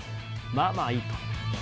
まあまあいいと。